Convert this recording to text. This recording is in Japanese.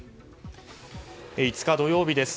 ５日、土曜日です。